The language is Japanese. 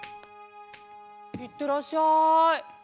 いってらっしゃい。